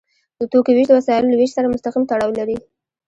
د توکو ویش د وسایلو له ویش سره مستقیم تړاو لري.